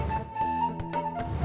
gak usah terima kasih